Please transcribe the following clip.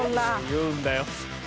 言うんだよ。